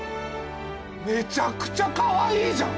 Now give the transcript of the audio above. めちゃくちゃかわいいじゃん！